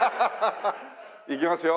いきますよ？